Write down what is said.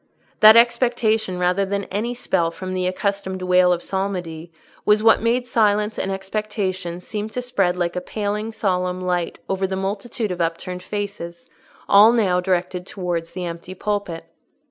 That expectation rather than any spell from the accustomed wail of psalmody was what made silence and expectation seem to spread like a paling solemn light over the multitude of upturned faces, all now directed towards the empty pulpit.